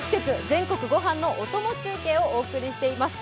全国ごはんのお供中継」をお送りしています。